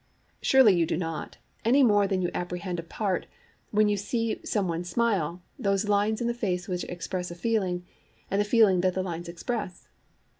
Surely you do not, any more than you apprehend apart, when you see some one smile, those lines in the face which express a feeling, and the feeling that the lines express.